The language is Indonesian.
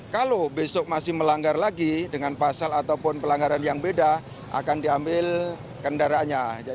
kalau besok masih melanggar lagi dengan pasal ataupun pelanggaran yang beda akan diambil kendaraannya